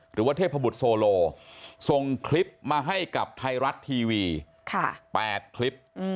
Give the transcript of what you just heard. หรือว่าเทพบุตรโซโลส่งคลิปมาให้กับไทยรัฐทีวี๘คลิป